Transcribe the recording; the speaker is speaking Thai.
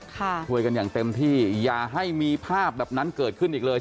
ช่วยกันอย่างเต็มที่อย่าให้มีภาพแบบนั้นเกิดขึ้นอีกเลย